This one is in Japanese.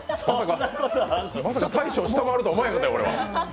まさか、大昇を下回るとは思わなかったよ。